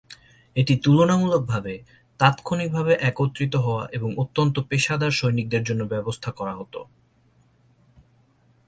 এটি তুলনামূলকভাবে তাত্ক্ষণিকভাবে একত্রিত হওয়া এবং অত্যন্ত পেশাদার সৈনিকদের জন্য ব্যবস্থা করা হত।